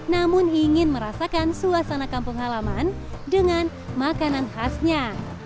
namun ingin merasakan suasana kampung halaman dengan makanan khasnya